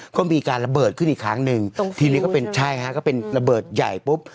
ก็มีการระเบิดขึ้นอีกครั้งหนึ่งทีนี้ก็เป็นใช่ฮะก็เป็นระเบิดใหญ่ปุ๊บ